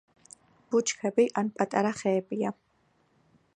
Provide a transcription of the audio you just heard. ბუჩქები ან პატარა ხეებია.